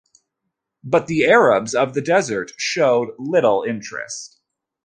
But the Arabs of the desert showed little interest.